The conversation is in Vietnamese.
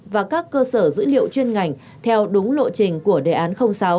và các cơ sở dữ liệu chuyên ngành theo đúng lộ trình của đề án sáu